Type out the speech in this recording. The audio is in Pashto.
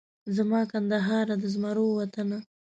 زما کندهاره د زمرو وطنه